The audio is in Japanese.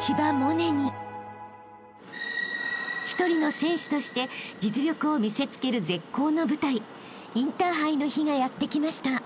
［一人の選手として実力を見せつける絶好の舞台インターハイの日がやって来ました］